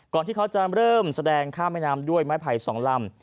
ที่เขาจะเริ่มแสดงข้ามแม่น้ำด้วยไม้ไผ่๒ลำ